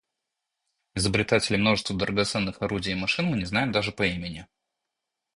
Изобретателей множества драгоценных орудий и машин мы не знаем даже по имени.